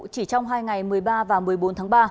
chỉ trong hai ngày một mươi ba và một mươi bốn tháng ba